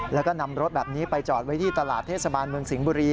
แล้วก็นำรถแบบนี้ไปจอดไว้ที่ตลาดเทศบาลเมืองสิงห์บุรี